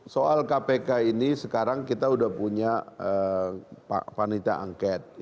soal kpk ini sekarang kita sudah punya panitia angket